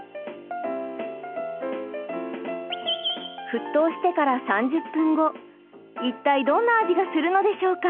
沸とうしてから３０分後一体どんな味がするのでしょうか？